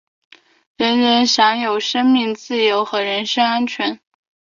人人有权享有生命、自由和人身安全。